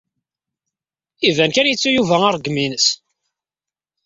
Iban kan yettu Yuba aṛeggem-ines.